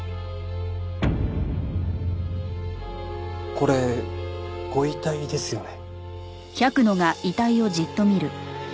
これご遺体ですよね？